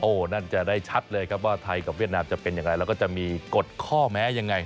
นั่นจะได้ชัดเลยครับว่าไทยกับเวียดนามจะเป็นอย่างไรแล้วก็จะมีกฎข้อแม้ยังไง